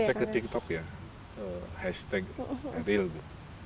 saya cek ke tiktok ya hashtag ariel gitu